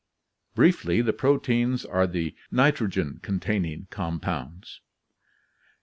Briefly, the proteins are the nitrogen containing compounds.